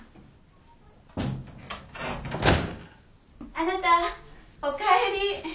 ・あなたおかえり。